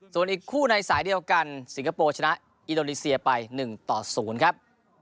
ส่วนอีกคู่ในสายเดียวกันสิงคโปร์ชนะอินโดนีเซียไป๑ต่อ๐ครับ